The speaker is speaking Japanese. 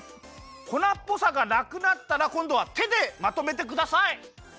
粉っぽさがなくなったらこんどはてでまとめてください！